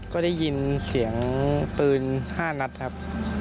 ก็ได้ยินเสียงปืน๕นัดครับ